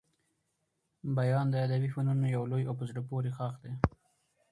بیان د ادبي فنونو يو لوی او په زړه پوري ښاخ دئ.